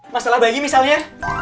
masalah bayi misalnya